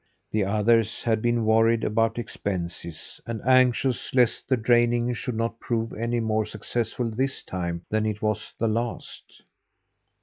The others had been worried about expenses, and anxious lest the draining should not prove any more successful this time than it was the last.